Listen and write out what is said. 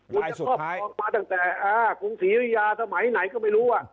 คุณจะครอบครองมาตั้งแต่กรุงศรีริยาสมัยไหนก็ไม่รู้